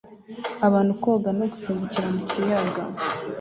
Abantu koga no gusimbukira mu kiyaga